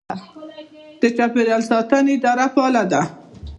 د چاپیریال ساتنې اداره فعاله ده.